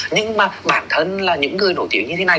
nhưng mà bản thân là những người nổi tiếng như thế này